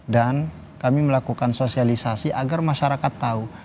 dan kami melakukan sosialisasi agar masyarakat tahu